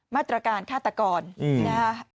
มาตรการฆาตกรนะคะ